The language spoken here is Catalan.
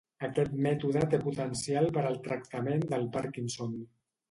Aquest mètode té potencial per al tractament del Parkinson.